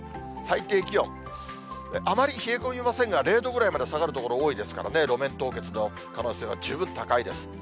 最低気温、あまり冷え込みませんが、０度ぐらいまで下がる所、多いですからね、路面凍結の可能性は十分高いです。